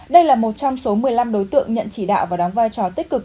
đây là một trong số một mươi năm đối tượng nhận chỉ đạo và đóng vai trò tích cực